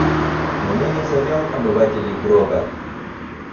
Но мы не зовем обывателей гроба.